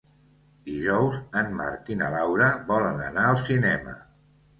Dijous en Marc i na Laura volen anar al cinema.